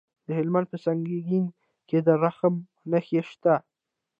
د هلمند په سنګین کې د رخام نښې شته.